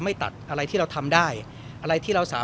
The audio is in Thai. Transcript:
มีใครไปดึงปั๊กหรือว่า